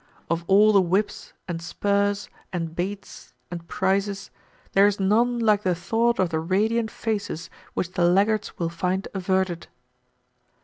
Of all the whips, and spurs, and baits, and prizes, there is none like the thought of the radiant faces which the laggards will find averted.